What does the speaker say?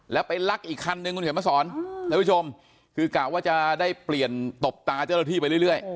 แล้วไปลักอีกคันนึงคุณเขียนมาสอนท่านผู้ชมคือกะว่าจะได้เปลี่ยนตบตาเจ้าหน้าที่ไปเรื่อย